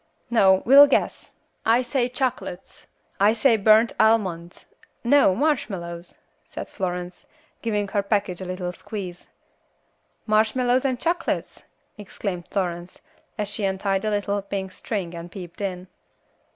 No, we'll guess. I say chocolates." "I say burnt almonds: no, marshmallows," said Florence, giving her package a little squeeze. "Marshmallows and chocolates," exclaimed Florence, as she untied the little pink string and peeped in.